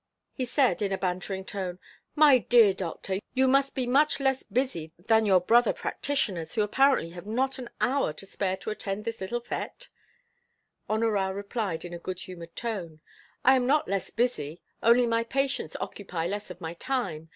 He said, in a bantering tone: "My dear doctor, you must be much less busy than your brother practitioners, who apparently have not an hour to spare to attend this little fête?" Honorat replied in a good humored tone: "I am not less busy; only my patients occupy less of my time.